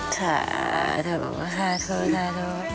ท้าทูท้าทูท้าทู